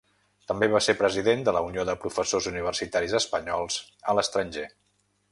També va ser president de la Unió de Professors Universitaris Espanyols a l'Estranger.